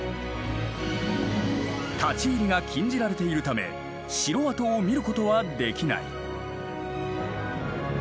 立ち入りが禁じられているため城跡を見ることはできない。